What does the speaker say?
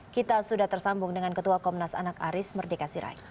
kita sudah tersambung dengan ketua komnas anak aris merdeka sirai